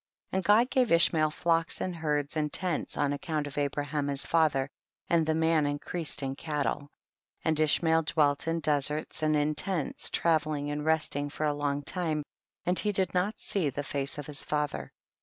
20. And God gave Ishmael flocks and herds and tents on account of Abraham his father, and the man in creased in cattle. 21. And Ishmael dwelt in deserts and in tents, travelling and resting for a long time, and he did not see the face of his father.